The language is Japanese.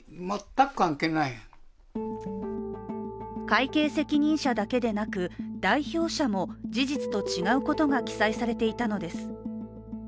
会計責任者だけでなく、代表者も事実と違うことが記載されていたのです。